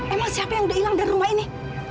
emang siapa yang udah hilang dari rumah ini